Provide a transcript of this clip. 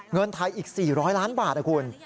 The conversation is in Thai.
เงินไทยอีก๔๐๐ล้านบาทนะคุณ